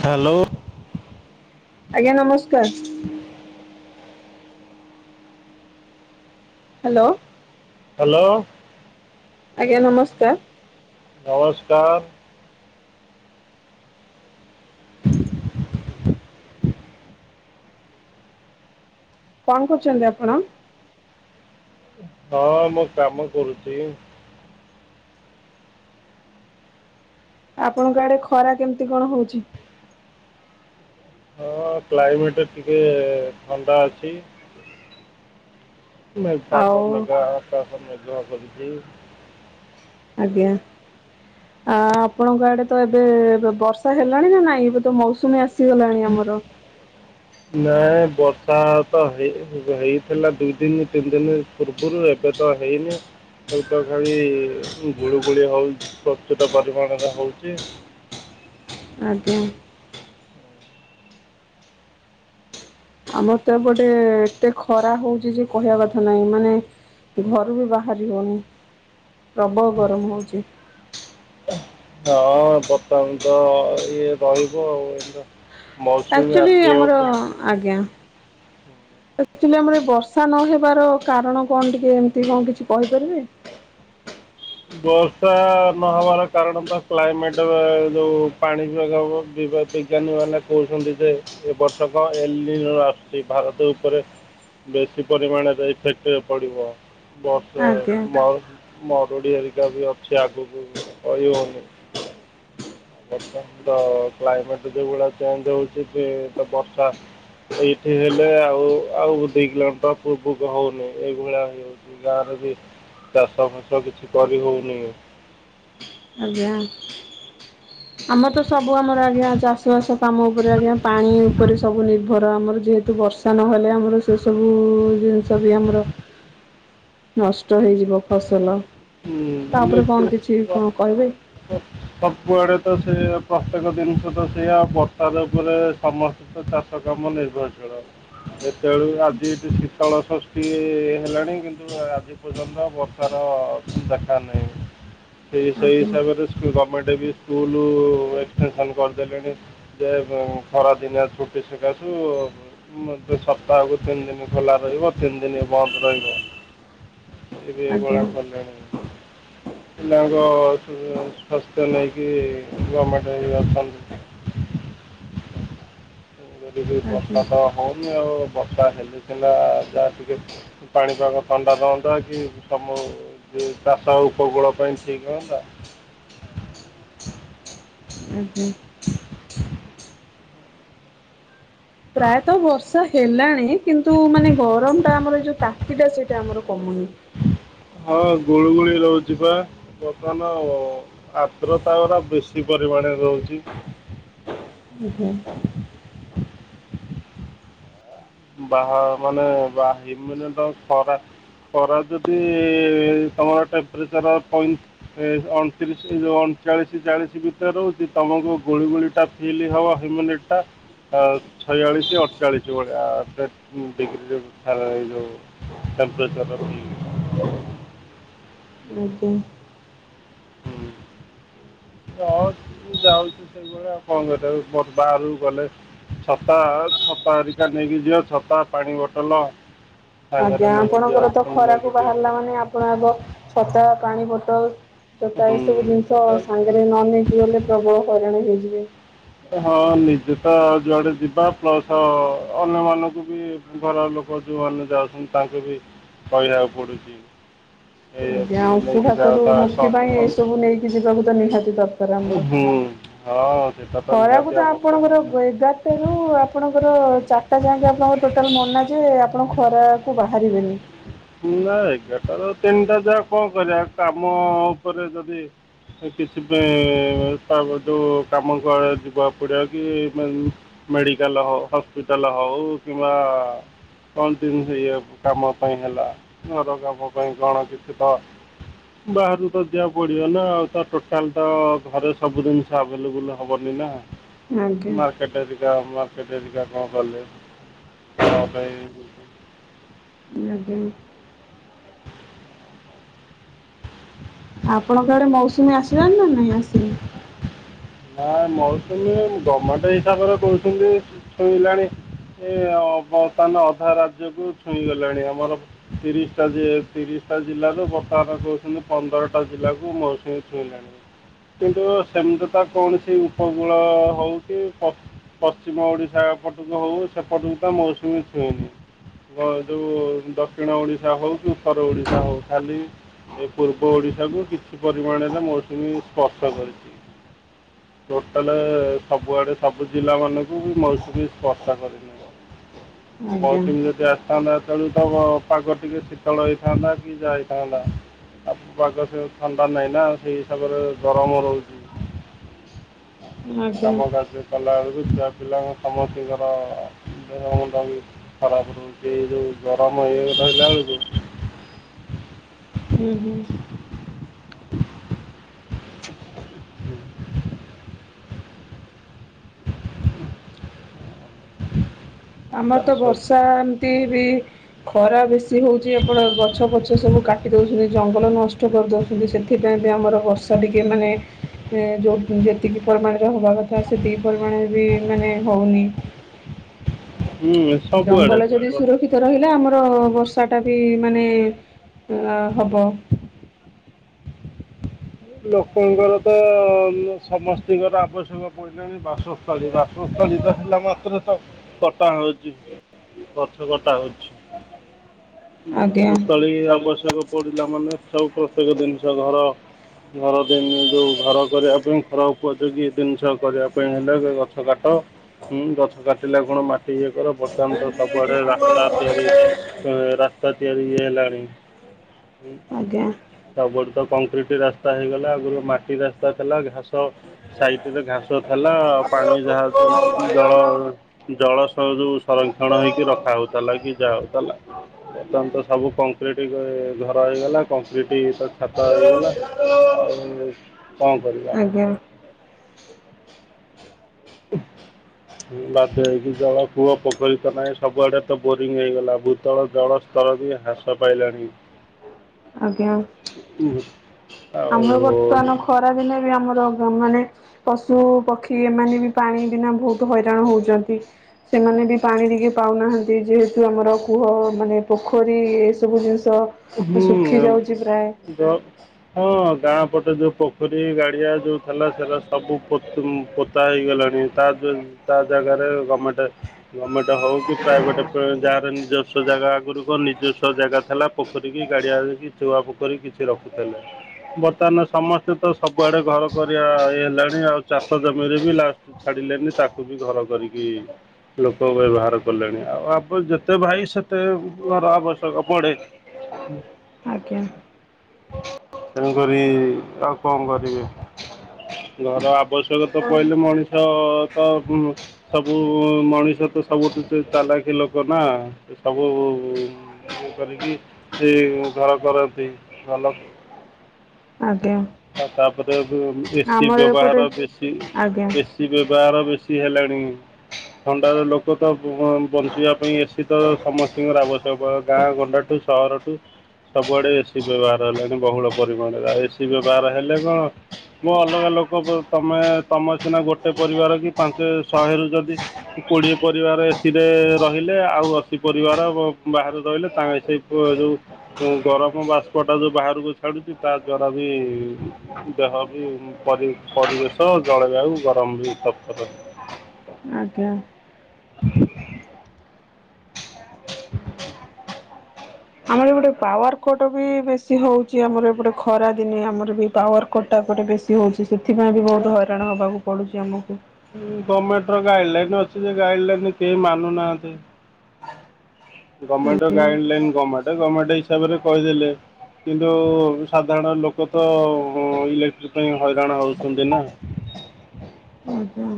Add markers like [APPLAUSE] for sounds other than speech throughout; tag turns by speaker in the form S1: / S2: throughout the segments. S1: Hello
S2: ଆଜ୍ଞା ନମସ୍କାର। Hello.
S1: Hello
S2: ଆଜ୍ଞା ନମସ୍କାର।
S1: ନମସ୍କାର।
S2: କଁ କରୁଚନ୍ତି ଆପଣ?
S1: ହଁ ମୁଁ କାମ କରୁଚି।
S2: ଆପଣଙ୍କ ଆଡେ ଖରା କେମିତି କଣ ହଉଛି?
S1: ହଁ କ୍ଲାଇମେଟ ଟିକେ ଥଣ୍ଡା ଅଛି। ଇ ମେ
S2: ଆଉ
S1: ପାଗ ମେଘା ପାଗ ମେଘୁଆ କରିଚି।
S2: ଆଜ୍ଞା। ଆ ଆପଣଙ୍କ ଆଡେ ତ ଏବେ ବର୍ଷା ହେଲାଣି ନା ନାଇଁ ଏବେ ତ ମୌସୁମୀ ଆସିଗଲାଣି ଆମର।
S1: ନାଇଁ ବର୍ଷା ତ ହେଇ ହେଇଥିଲା ଦୁଇ ଦିନି ତିନି ଦିନି ପୂର୍ବରୁ ଏବେ ତ ହେଇନି। ଏବେ ଖାଲି ଗୁଳୁଗୁଳି ହଉ ପ୍ରଚୁର ପରିମାଣରେ ହଉଚି।
S2: ଆଛ୍ ଉଁ। ଆମର ତ ଏପଟେ ଏତେ ଖରା ହଉଚି ଯେ କହିବା କଥା ନାଇଁ ମାନେ ଘରୁ ବି ବାହାରି ହଉନି ପ୍ରବଳ ଗରମ୍ ହଉଚି।
S1: ହଁ ବର୍ତ୍ତମାନ ତ ଇଏ ରହିବ ଆଉ ଏନୁ ତ
S2: ଆକ୍ଚୁଲି ଆମର ଆଜ୍ଞା। ଆକ୍ଚୁଲି ଆମର ଏ ବର୍ଷା ନହବାର କାରଣ କଣ ଟିକେ ଏମିତି କଣ କିଛି କହିପାରିବେ?
S1: ବର୍ଷା ନହବାର କାରଣ ତ କ୍ଲାଇମେଟ ଆ ଯୋଉ ପାଣି ବିଭାଗ [UNINTELLIGIBLE] ବିଜ୍ଞାନୀ ମାନେ କହୁଛନ୍ତି ଯେ ଏ ବର୍ଷ କଁ ଏଲିନ୍ ର ଆସୁଚି ଭାରତ ଉପରେ ବେଶୀ ପରିମାଣରେ ଇଫେକ୍ଟେ ପଡିବ। ବର୍ଷା
S2: ଆଜ୍ଞା
S1: ମ ମରୁଡି ହେରିକା ବି ଅଛି ଆଗକୁ କହି ହଉନି। ବର୍ତ୍ତମାନ ତ କ୍ଲାଇମେଟ ଯୋଉ ଭଳିଆ ଚେଞ୍ଜ୍ ହଉଚି ଯେ ତ ବର୍ଷା ଏଇଠେ ହେଲେ ଆଉ ଆଉ ଦି କିଲମିଟର ପୂର୍ବକୁ ହଉନି ଏଇ ଭଳିଆ ହେଉ ଚି ଗାଁ ରେ ବି ଚାଷ ଫାଷ କିଛି କରି ହଉନି।
S2: ଆଜ୍ଞା। ଆମର ତ ସବୁ ଆମର ଆଜ୍ଞା ଚାଷ ବାସ କାମ ଉପରେ ଆଜ୍ଞା ପାଣି ଉପରେ ସବୁ ନିର୍ଭର ଆମର ଯେହେତୁ ବର୍ଷ ତା ନହେଲେ ଆମର ସେ ସବୁ ଜିନିଷ ବି ଆମର ନଷ୍ଟ ହେଇଯିବ ଫସଲ ତାପରେ କଣ କିଛି କଁ କହିବେ?
S1: ତ ସବୁଆଡେ ତ ସେ ପ୍ରତ୍ୟେକ ଜିନିଷ ତ ସେଇଆ ବର୍ଷା ର ଉପରେ ସମ [UNINTELLIGIBLE] ଚାଷ କାମ ନିର୍ଭରଶୀଳ। ଏତେଏଳୁ ଆଜି ଏଠି ଶୀତଳ ଷଷ୍ଠୀ ହେଲାଣି କିନ୍ତୁ ଆଜି ଏ ପର୍ଯ୍ୟନ୍ତ ବର୍ଷାର ଦେଖା ନାହିଁ। ସେ ସେଇ
S2: ଆଜ୍ଞା
S1: ହିସାବରେ [UNINTELLIGIBLE] ଗମେଣ୍ଟ ବି ସ୍କୁଲୁ ଏକ୍ସଟେନସନ୍ କରିଦେଲେଣି। ଯେ ଉଁ ଖରା ଦିନିଆ ଛୁଟି ସୁକାସୁ ମୋଧେ ସପ୍ତାହକୁ ତିନି ଦିନ ଖୋଲା ରହିବ ତିନି ଦିନ ବନ୍ଦ ରହିବ। ଏବେ
S2: ଆଜ୍ଞା
S1: ଏଇଭଳା କଲେଣି।
S2: [INAUDIBLE]
S1: ପିଲାଙ୍କ ସୁ ସ୍ୱାସ୍ଥ୍ୟ ନେଇକି ଗମେଣ୍ଟ ଇଏ ଅଛନ୍ତି। [UNINTELLIGIBLE]
S2: ଆଜ୍ଞା
S1: ବର୍ଷା ତ ହଉନି ଆଉ ବର୍ଷା ହେଲେ ସିନା ଯା ଟିକେ ପାଣିପାଗ ଥଣ୍ଡା ରହନ୍ତା କି ସମୁ [UNINTELLIGIBLE] ଚାଷ ଉପକୂଳ ପାଇଁ ଠିକ୍ ହୁଅନ୍ତା।
S2: ଉଁ ହୁଁ। ପ୍ରାୟତ ବର୍ଷା ହେଲାଣି କିନ୍ତୁ ମାନେ ଗରମ୍ ଟା ଆମର ଯୋଉ ତାତି ଟା ସେଇଟା ଆମର କମୁନି।
S1: ହଁ ଗୁଳୁ ଗୁଳି ରହୁଚି ପା। ବର୍ତ୍ତମାନ ଆଦ୍ରତା ଅରା ବେଶୀ ପରିମାଣରେ ରହୁଚି।
S2: ଆଜ୍ଞା।
S1: ବାହା ମାନେ ବାହୀ ମାନେ ତ ଖରା ଖରା ଯଦି ତମ ଆଡେ ଟେମ୍ପରେଚର ପଇଁ ଏ ଅଣତିରିଶ ଯୋଉ ଅଣଚାଳିଶ ଚାଳିଶ ଭିତରେ ରହୁଚି ତମକୁ ଗୁଳିଗୁଳିଟା ଫିଲ ହବ ହ୍ୟୁମିନିଟଟା ଆ ଛୟାଳିଶ ଅଡ଼ଚାଳିଶ ଭଳିଆ। ଡିଗ୍ରୀରୁ ଏଇଯଉ ଟେମ୍ପରେଚର ରଖି ଯିବ
S2: ଆଜ୍ଞା।
S1: ହଁ ତ ଯାଉଛୁ ସେଇଭଳିଆ ଆଉ କଣ କରି ମୋର ବାହାରକୁ ଗଲେ। ଛତା ଛତା ହେରିକା ନେଇକି ଯିବା ଛତା ପାଣି ବୋଟଲ
S2: ଆଜ୍ଞା ଆପଣଙ୍କର ତ
S1: ନେଇକି
S2: ଖରାକୁ ବାହାରିଲା
S1: ଯିବା
S2: ମାନେ ଆ ଆପଣ ଆଗ ଛତା ପାଣି ବୋଟଲ ଜୋତା
S1: ହୁଁ
S2: ଏସବୁ ଜିନିଷ
S1: ଏଇଟା
S2: ସାଙ୍ଗେ ନ ନେଇକି ଗଲେ ପ୍ରବଳ ହଇରାଣ ହେଇଯିବେ।
S1: ହଁ ନିଜେ ତ ଯୁଆଡେ ଯିବା ପ୍ଲସ ଅନ୍ୟ ମାନଙ୍କୁ ବି। ଘର ଲୋକ ଯୋଉମାନେ ଯାଉଛନ୍ତି ତାଙ୍କୁ ବି କହିବାକୁ ପଡୁଛି।
S2: ଆଜ୍ଞା
S1: ଯାଅ
S2: ଅଂଶୁଘାତରୁ
S1: ତା
S2: ମୁକ୍ତି
S1: ସହ
S2: ପାଇଁ ଏଇସବୁ ନେଇକି ଯିବାକୁ ତ ନିହାତି ଦ [UNINTELLIGIBLE] ର
S1: ହୁଁ ହଁ ସେଇଟା
S2: ଖରାକୁ
S1: ନିହାତି
S2: ତ
S1: ଆବଶ୍ୟକ
S2: ଆପଣଙ୍କର
S1: ନା।
S2: [UNINTELLIGIBLE] ଏଗାରଟାରୁ ଆପଣଙ୍କର ଚାରିଟା ଯାକେ ଆପଣଙ୍କର ଟୋଟାଲ ମନା ଯେ ଆପଣ ଖରାକୁ ବାହାରିବେନି।
S1: ନା ଏଗାରଟା ରୁ ତିନିଟା ଯାହା କଣ କରିବା କାମ ଉପରେ ଯଦି। କିଛି ବି ତା ଯୋଉ କାମ କୁ ଯିବା ପଡିବା କି? ମେଡିକାଲ ହଉ ହସ୍ପିଟାଲ ହଉ କିମ୍ବା। କଣ୍ଟିନ୍ୟୁୟୁ ଇଏ କାମ ପାଇଁ ହେଲା ଘର କାମ ପାଇଁ କଣ କିଛି ତ ବାହାରୁ ତ ଯିବାକୁ ପଡିବ ନା ଆଉ ତ ଟୋଟାଲ ତ ଘରେ ସବୁ ଜିନିଷ ଆଭେଲେବୁଲ ହେବନି ନା।
S2: ଆଜ୍ଞା
S1: ମାର୍କେଟ ହେରିକା ମାର୍କେଟିକା କଣ କଲେ କଣ ପାଇଁ।
S2: [INAUDIBLE] ଆପଣଙ୍କ ଆଡେ ମୌସୁମୀ ଆସିଲାନି ନା ନାଇଁ ଆସିନି।
S1: ହଁ ମୋୖସୁମୀ ତୁମି ଗମେଣ୍ଟ ହିସାବରେ କହୁଛନ୍ତି। ଛୁଇଁଲାଣି ଏ ବର୍ତ୍ତମାନ ଅଧା ରାଜ୍ୟକୁୁ ଛୁଇଁଗଲାଣି ଆମର। ତିରିଶଟା ତିରିଶଟା ଜିଲ୍ଲାରୁ ବର୍ତ୍ତମାନ କହୁଛନ୍ତି ପନ୍ଦରଟା ଜିଲ୍ଲାକୁ ମୌସୁମୀ ଛୁଇଁଲାଣି। କିନ୍ତୁ ସେମିତି ତ କୌଣସି ଉପକୂଳ ହଉଛି। ପଶ୍ଚିମ ଓଡ଼ିଶା ଏପଟକୁ ହଉ ସେପଟକୁ ତ ମୌସୁମୀ ଛୁଇଁନି। ଯୋଉ ଦକ୍ଷିଣ ଓଡିଶା ହଉ କି ଉତ୍ତର ଓଡିଶା ହଉ ଖାଲି। ଏ ପୂର୍ବ ଓଡ଼ିଶାକୁ କିଛି ପରିମାଣରେ ମୌସୁମୀ ସ୍ପର୍ଶ କରିଛି। ଟୋଟାଲ ସବୁଆଡ଼େ ସବୁ ଜିଲ୍ଲାମାନଙ୍କୁ ବି ମୋୖସୁମୀ ବି ସ୍ପର୍ଶା କରିନି।
S2: ଆଜ୍ଞା
S1: ମୌସୁମୀ ଯଦି ଆ ଥାନ୍ତା ତେଣୁ ତ ପାଗ ଟିକେ ଶୀତଳ ହେଇଥାନ୍ତା କି ଯାଇଥାନ୍ତା। ଆପ ପାଗ ସ ଥଣ୍ଡା ନାହିଁ ନା ସେଇ ହିସାବରେ ଗରମ ରହୁଛି।
S2: ଆଜ୍ଞା
S1: କାମ କାର୍ଯ୍ୟ କଲା ବେଳକୁ ଛୁଆ ପିଲାଙ୍କ ସମସ୍ତଙ୍କର ଦେହ ମୁଣ୍ଡ ବି। ଖରାପ ରହୁଛି ଇଏ ଯୋଉ ଗରମ ହେଇଏ ରହିଲା ବେଳକୁ।
S2: ହୁଁ ହୁଁ। ଆମର ତ
S1: ଚାଷ
S2: ବର୍ଷା ଏମିତି ବି। ଖରା ବେଶୀ ହଉଛି ଆପଣ ଗଛ ପଛ ସବୁ କାଟି ଦଉଛନ୍ତି ଜଙ୍ଗଲ ନଷ୍ଟ କରି ଦଉ କିନ୍ତୁ ସେଥିପାଇଁ ବି ଆମର ବର୍ଷା ଟିକେ ମାନେ। ଯେଉ ଯେତିକି ପରିମାଣରେ ହବା କଥା ସେତିକି ପରିମାଣରେ ବି ମାନେ ହଉନି। ଜଙ୍ଗଲ ଯଦି।
S1: ସବୁଆଡ଼େ
S2: ସୁରକ୍ଷିତ ରହିଲା ଆମର ବର୍ଷାଟା ବି ମାନେ ହବ।
S1: ଲୋକଙ୍କର ତ ସମସ୍ତ ଙ୍କର ଆବଶ୍ୟକ ପ ବାସସ୍ଥଳୀ ବାସସ୍ଥଳୀ ତ ହେଲା ମାତ୍ରେ ତ କଟା ହଉଛି। ଗଛକଟା ହଉଛି।
S2: ଆଜ୍ଞା।
S1: ବାସସ୍ଥଳୀ
S2: ଆଜ୍ଞା।
S1: ଆବଶ୍ୟକ ପଡିଲା ମାନେ ସବୁ ପ୍ରତ୍ୟେକ ଜିନିଷ ଘର ଘର ଦିନ ଯେଉଁ ଘର କରିବା ପାଇଁ ଖର ଉପଯୋଗୀ ଜିନିଷ କରିବା ପାଇଁ ହେଲେ ଗଛ କାଟ। ହୁଁ ଗଛ କାଟିଲା କଣ ମାଟି ଇଏ କର, ବର୍ତ୍ତମାନ ତ ସବୁଆଡେ ରାସ୍ତା ତିଆରି ଉଁ ରାସ୍ତା ତିଆରି ଇଏ ହେଲାଣିଁ। [INAUDIBLE]
S2: ଆଜ୍ଞା।
S1: ସବୁଟୁ ତ କଂକ୍ରିଟ ରାସ୍ତା ହେଇଗଲା ଆଗରୁ ମାଟି ରାସ୍ତା ଥିଲା ଘାସ ସାଇଟରେ ଘାସ ଥିଲା ପାଣି ଯାହା [UNINTELLIGIBLE] ଜଳ ଜଳ ସ୍ତରରୁ ସଂରକ୍ଷଣ ହେଇକି ରଖା ହଉଥିଲା କି ଯାହା ହଉଥିଲା। ବର୍ତ୍ତମାନ ତ ସବୁ କଂକ୍ରିଟ ଗ ଘର ହେଇଗଲା କଂକ୍ରିଟ ତ ଛାତ ହେଇଗଲା। ଆଉ କଣ କରିବା?
S2: ଆଜ୍ଞା
S1: [INAUDIBLE] ବାଧ୍ୟ ହେଇକି ଜଳ କୁଅ ପୋଖରୀ ତ ନଇ, ସବୁଆଡେ ତ ବୋରିଙ୍ଗ ହେଇଗଲା। ଭୂତଳ ଜଳ ସ୍ତର ବି ହ୍ରାସ ପାଇଲାଣି।
S2: ଆଜ୍ଞା।
S1: [INAUDIBLE]
S2: ଆମର
S1: ଆଉ
S2: ବର୍ତ୍ତମାନ ଖରା ଦିନେ ବି ଆମର [UNINTELLIGIBLE] ମାନେ ପଶୁ ପକ୍ଷୀ ଏମାନେ ବି ପାଣି ବିନା ବହୁତ ହଇରାଣ ହଉଛନ୍ତି। ସେମାନେ ବି ପାଣି ଟିକେ ପାଉନାହାନ୍ତି, ଯେହେତୁ ଆମର କୂହ ମାନେ ପୋଖରୀ ଏସବୁ ଜିନିଷ ଶୁଖି
S1: ହୁଁ
S2: ଯାଉଛି ପ୍ରାୟ।
S1: ଦ ହଁ ଗାଁ ପଟେ ଯୋଉ ପୋଖରୀ ଗାଡିଆ ଯୋଉ ଥିଲା ସେରା ସବୁ ପୋତ ପୋତା ହେଇଗଲାଣି, ତା ତା ଜାଗାରେ ଗମେଣ୍ଟ ଗଭର୍ଣ୍ଣମେଣ୍ଟ ହଉ କି ପ୍ରାଇଭେଟ [UNINTELLIGIBLE] ଯାହାର ନିଜସ୍ଵ ଜାଗା ଆଗରୁ କ ନିଜସ୍ଵ ଜାଗା ଥିଲା, ପୋଖରୀକି ଗାଡିଆରେ କି ଚୁଆ ପୋଖରୀ କିଛି ରଖୁଥିଲେ। ବର୍ତ୍ତମାନ ସମସ୍ତେ ତ ସବୁଆଡେ ଘର କରିବା ହେଲାଣି, ଆଉ ଚାଷ ଜମିରେ ବି ଲାଷ୍ଟ ଛାଡିଲେନି ତାକୁ ବି ଘର କରିକି ଲୋକ ବ୍ୟବହାର କଲେଣି। ଆଉ ଆମ ଯେତେ ଭାଇ ସେତେ ଘର ଆବଶ୍ୟକ ପଡ଼େ।
S2: ଆଜ୍ଞା।
S1: [INAUDIBLE] ତେଣୁକରି ଆଉ କଣ କରିବେ। ଘର ଆବଶ୍ୟକତ ପଇଲେ ମଣିଷ ତ [UNINTELLIGIBLE] ସବୁ ମଣିଷ ତ ସବୁଠୁ ଚ ଚାଲାଖି ଲୋକ ନା। ସବୁ ଇଏ କରିକି, ସେ ଘର କରନ୍ତି। ଭଲ
S2: ଆଜ୍ଞା।
S1: ଆଉ ତାପରେ ବି ଏସି
S2: ଆମର ଏପଟେ
S1: ବ୍ୟବହାର ବେଶୀ,
S2: ଆଜ୍ଞା
S1: ଏସ ଏସି ବ୍ୟବହାର ବେଶୀ ହେଲାଣି। ଥଣ୍ଡାର ଲୋକ ତ ବ ବଞ୍ଚିବା ପାଇଁ ଏସି ତ ସମସ୍ତିଙ୍କର ଆବଶ୍ୟକ। ଗାଁ ଗଣ୍ଡାଠୁ ସହରଠୁ ସବୁଆଡେ ଏସିି ବ୍ୟବହାର ହେଲାଣି ବହୁଳ ପରିମାଣରେ, ଆଉ ଏସିି ବ୍ୟବହାର ହେଲେ କଣ [UNINTELLIGIBLE] ଅଲଗା ଲୋକ ତମେ ତମେ ସିନା ଗୋଟେ ପରିବାର କି ପାଞ୍ଚ ଶହେରୁ ଯଦି କୋଡିଏ ପରିବାର ଏସିିରେ ରହିଲେ ଆଉ ଅଶୀ ପରିବାର ବ ବାହାରେ ରହିଲେ। ତାଙ୍କ ସେ ପୁଅ ଯୋଉ ଗରମ ବାଷ୍ପ ଟା ଯୋଉ ବାହାରକୁ ଛାଡୁଛି ତା ଦ୍ଵାରା ବି ଦେହ ବି ପରି ପରିବେଶ ଜଳବାୟୁ ଗରମ ବି ଉତ୍ତପ୍ତ ରହେ।
S2: ଆଜ୍ଞା। ଗୋଟେ ପାୱାର କଟ ବି ବେଶୀ ହଉଚି ଆମର ଏପଟେ ଖରା ଦିନେ ଆମର ବି ପାୱାର କଟ ଟା ଏପଟେ ବେଶୀ ହଉ ସେଥିପାଇଁ ବି ବହୁତୁ ହଇରାଣ ହେବାକୁ ପଡୁଚି ଆମକୁ।
S1: ଉଁ ଗମେଣ୍ଟର ଗାଇଡି ଲାଇନି ଅଛି ଯେ ଗାଇଡି ଲାଇନି କେହି ମାନୁନାହାନ୍ତି। ଗମେଣ୍ଟ
S2: ଆଜ୍ଞା
S1: ଗାଇଡି ଲାଇନି ଗମେଣ୍ଟ ଗମେଣ୍ଟ ହିସାବରେ କହିଦେଲେ। କିନ୍ତୁ ସାଧାରଣ ଲୋକ ତ ଇଲେକ୍ଟ୍ରି ପାଇଁ ହଇରାଣ ହଉଛନ୍ତି ନା।
S2: ଆଜ୍ଞା।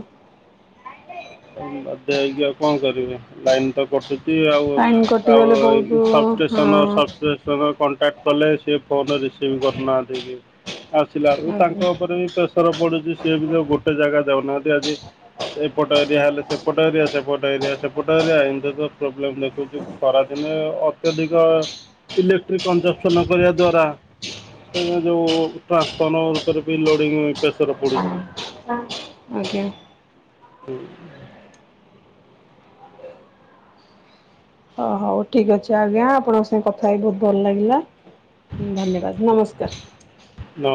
S1: ଆଉ ବାଧ୍ୟ ହେଇକି ଆଉ କଣ କରିବି ଲାଇନି କଟୁଚି ଆଉ
S2: ଲାଇନ୍
S1: ଆଉ
S2: କଟିଗଲେ ବହୁତ
S1: ସବ ଷ୍ଟେସନ
S2: ହଁ
S1: ସବ ତମେ କଣ୍ଟାକ୍ଟ କଲେ ସିଏ ଫୋନରେ ରିସିଭି କରୁନାହାନ୍ତି କି ଆସିଲା ଉ
S2: ଆଜ୍ଞା।
S1: ତାଙ୍କ ଉପରେ ବି ପ୍ରେସର ପଡୁଚି ସିଏ ବି ତ ଗୋଟେ ଜାଗା ଦାଉନାହାନ୍ତି ଆଜି ସେପଟ ଏରିଆ ହେଲେ ସେପଟ ଏରିଆ ସେପଟ ଏରିଆ ସେପଟ ଏରିଆ ଏମତ ତ ପ୍ରୋବ୍ଲେମ୍ ଦେଖଉଛି। ଖରାଦିନେ ଅତ୍ୟଧିକ ଇଲେକ୍ଟ୍ରିକ କଂଜପସନ କରିବା ଦ୍ଵାରା ହେଇଥି ଯୋଉ ଟ୍ରାନ୍ସଫର୍ମ ଉପରେ ବି ଲୋଡିଙ୍ଗି ପ୍ରେସର ପଡୁଚି।
S2: ଆଜ୍ଞା।
S1: ହୁଁ।
S2: ହ ହଉ ଠିକ୍ ଅଛି ଆଜ୍ଞା ଆପଣଙ୍କ ସାଙ୍ଗେ କଥା ହେଇକି ଭହୁତୁ ଭଲ ଲାଗିଲା ଧନ୍ୟବାଦ। ନମସ୍କାର।
S1: ନ